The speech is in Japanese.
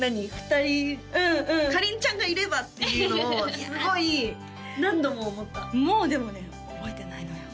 ２人かりんちゃんがいればっていうのをすごい何度も思ったもうでもね覚えてないのよ